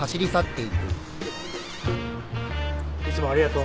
いつもありがとう。